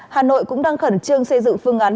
hà nội cũng đang khẩn trương xây dựng phương án